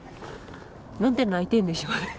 何で泣いてるんでしょうね？